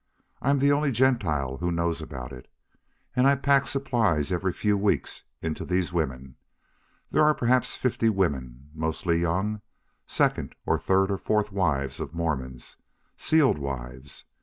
I'm the only Gentile who knows about it. And I pack supplies every few weeks in to these women. There are perhaps fifty women, mostly young second or third or fourth wives of Mormons sealed wives.